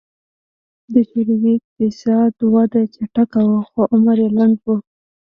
د شوروي اقتصادي وده چټکه وه خو عمر یې لنډ و